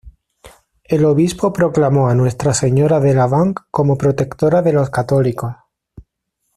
El obispo proclamó a Nuestra Señora de La Vang como Protectora de los Católicos.